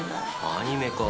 アニメか。